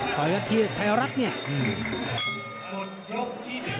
ต่อยักษ์ที่ไทยรักเนี้ยอืม